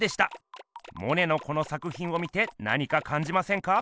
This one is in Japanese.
モネのこの作ひんを見て何かかんじませんか？